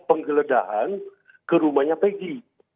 penggeledahan ke rumahnya pegi